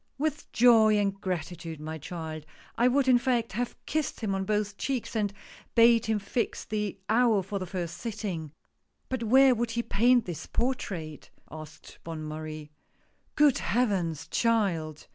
" With joy and gratitude, my child! I would in fact, have kissed him on both cheeks, and bade him fix the hour for the first sitting." " But where would he paint this portrait ?" asked Bonne Marie. " Good Heavens, child